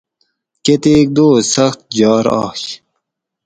کتیک دوس سخت جار آش